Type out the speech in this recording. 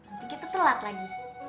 nanti kita telat lagi